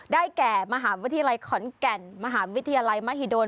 แก่มหาวิทยาลัยขอนแก่นมหาวิทยาลัยมหิดล